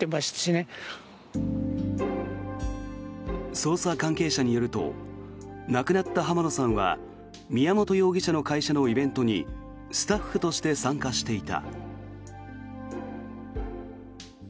捜査関係者によると亡くなった浜野さんは宮本容疑者の会社のイベントにスタッフとして参加していた。